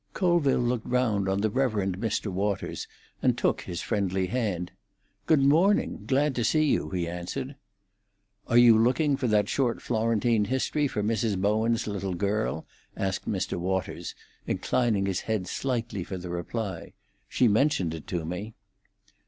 Colville looked round on the Rev. Mr. Waters, and took his friendly hand. "Good morning—glad to see you," he answered. "Are you looking for that short Florentine history for Mrs. Bowen's little girl?" asked Mr. Waters, inclining his head slightly for the reply. "She mentioned it to me."